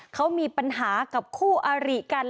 เขามีปัญหากับคู่อาริกัน